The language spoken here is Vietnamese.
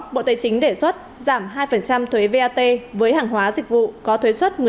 bộ tài chính đề xuất giảm hai thuế vat với hàng hóa dịch vụ có thuế xuất một mươi năm